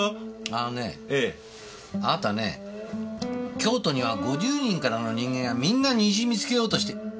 あのねぇあなたねぇ京都には５０人からの人間がみんな虹見つけようとして。